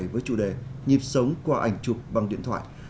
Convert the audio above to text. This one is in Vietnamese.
với chủ đề nhịp sống qua ảnh chụp bằng điện thoại